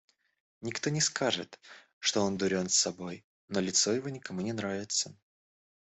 Никто не скажет, что он дурен собой, но лицо его никому не нравится.